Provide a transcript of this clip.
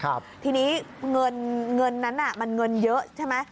ทีนี้เงินเงินนั้นน่ะมันเงินเยอะใช่ไหม